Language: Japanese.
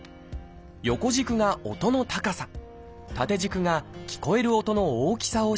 横軸が音の高さ縦軸が聞こえる音の大きさを示しています。